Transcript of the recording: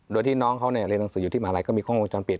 โดยที่น้องเขาเรียนหนังสืออยู่ที่มหาลัยก็มีกล้องวงจรปิด